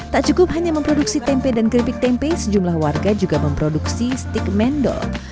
tak cukup hanya memproduksi tempe dan keripik tempe sejumlah warga juga memproduksi stik mendol